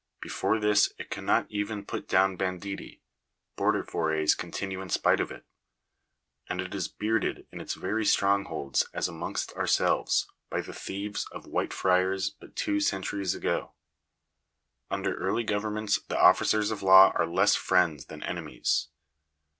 Before this it cannot even put down banditti ; border forays continue in spite of it ; and it is bearded in its very strongholds, as, amongst ourselves, by the thieves of Whitefriars but two centuries ago. Under early governments the officers of law are less friends than ene mies.